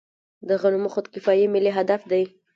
د غنمو خودکفايي ملي هدف دی.